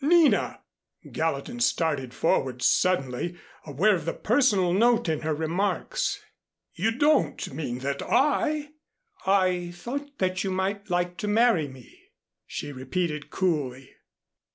Nina!" Gallatin started forward suddenly aware of the personal note in her remarks. "You don't mean that I " "I thought that you might like to marry me," she repeated coolly.